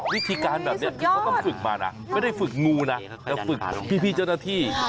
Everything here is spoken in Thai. วิธีการแบบนี้คือเขาต้องฝึกมานะไม่ได้ฝึกงูนะแต่ฝึกพี่เจ้าหน้าที่